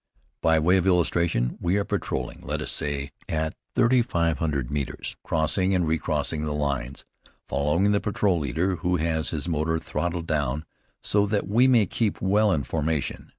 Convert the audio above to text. By way of illustration, we are patrolling, let us say, at thirty five hundred metres, crossing and recrossing the lines, following the patrol leader, who has his motor throttled down so that we may keep well in formation.